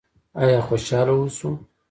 آیا خوشحاله اوسو؟